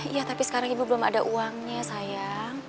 iya tapi sekarang ibu belum ada uangnya sayang